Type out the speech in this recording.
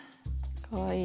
かわいい。